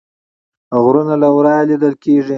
غرونه له ورایه لیدل کیږي